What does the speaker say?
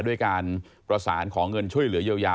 ด้วยการประสานขอเงินช่วยเหลือเยียวยา